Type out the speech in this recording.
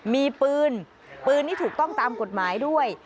มีปืนปืนที่ถูกต้องตามกฎหมายด้วย